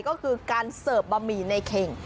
ก็คือการเสิร์ฟบะหมี่ในเข่ง